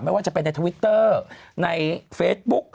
ไม่ว่าจะเป็นในทวิตเตอร์ในเฟซบุ๊ก